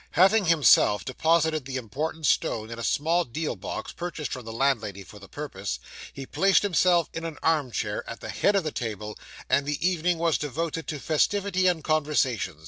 Having himself deposited the important stone in a small deal box, purchased from the landlady for the purpose, he placed himself in an arm chair, at the head of the table; and the evening was devoted to festivity and conversation.